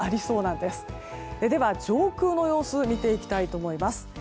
では、上空の様子を見ていきたいと思います。